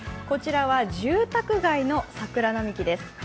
こちらは住宅街の桜並木です。